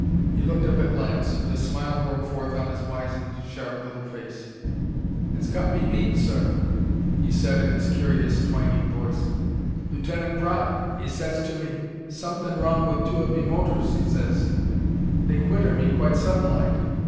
He looked up at Lance, and a smile broke forth on his wizened, sharp little face. "It's got me beat, sir," he said in his curious, twanging voice. "Lieutenant Praed, 'e sez to me, 'Somethin' wrong with two of me motors,' 'e sez. 'They quit on me quite sudden like.